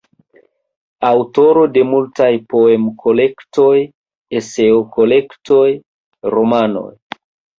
Aŭtoro de multaj poem-kolektoj, eseo-kolektoj, romanoj.